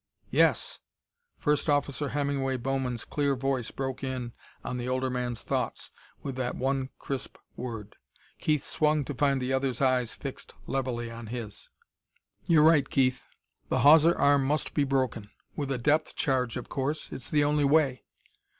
"Yes." First Officer Hemingway Bowman's clear voice broke in on the older man's thoughts with that one crisp word. Keith swung to find the other's eyes fixed levelly on his. "You're right, Keith. The hawser arm must be broken; with a depth charge, of course. It's the only way.